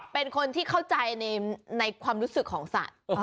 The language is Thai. เป็นคนที่เข้าใจในความรู้สึกของสัตว์